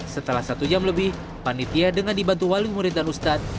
setelah satu jam lebih panitia dengan dibantu wali murid dan ustadz